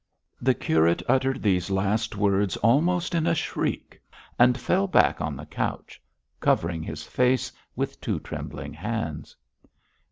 The curate uttered these last words almost in a shriek, and fell back on the couch, covering his face with two trembling hands.